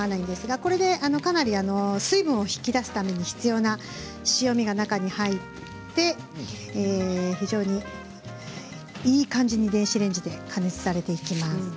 これで水分を引き出すために必要な塩みが入って非常にいい感じに電子レンジで加熱されていきます。